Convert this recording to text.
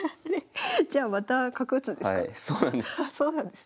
じゃあまた角打つんですか？